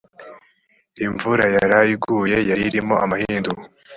imvura yaraye iguye yaririmo amahindu